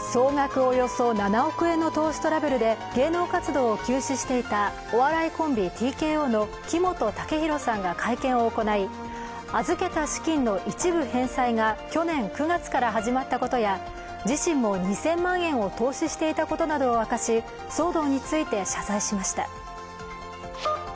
およそ７億円の投資トラブルで芸能活動を休止していたお笑いコンビ・ＴＫＯの木本武宏さんが会見を行い、預けた資金の一部返済が去年９月から始まったことや、自身も２０００万円を投資していたことなどを明かし騒動について謝罪しました。